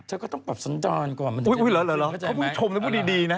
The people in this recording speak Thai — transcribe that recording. เธอก็ต้องปรับสัญญาก่อนมันจะเป็นสิ่งเข้าใจไหมอุ๊ยเหรอเขาพูดชมแล้วพูดดีนะ